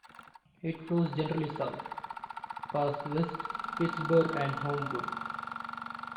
It flows generally south, past West Pittsburg and Homewood.